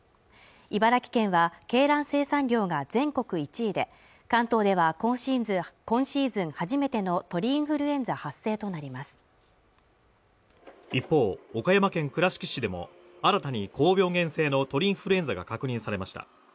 茨城県は鶏卵生産量が全国１位で関東では今シーズン初めての鳥インフルエンザ発生となります一方、岡山県倉敷市でも新たに高病原性の鳥インフルエンザが確認されました